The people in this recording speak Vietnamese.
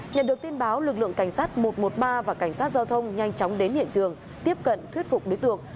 nhận được tin báo lực lượng cảnh sát một trăm một mươi ba và cảnh sát giao thông nhanh chóng đến hiện trường tiếp cận thuyết phục đối tượng